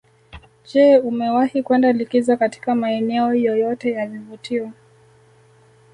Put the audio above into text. Je umewahi kwenda likizo katika maeneo yoyote ya vivutio